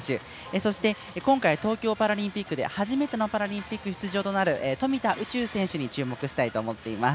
そして今回東京パラリンピックで初めてのパラリンピック出場の富田宇宙選手に注目したいと思っています。